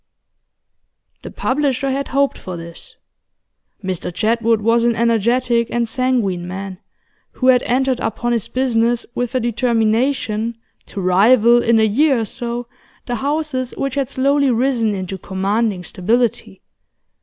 The publisher had hoped for this. Mr Jedwood was an energetic and sanguine man, who had entered upon his business with a determination to rival in a year or so the houses which had slowly risen into commanding stability.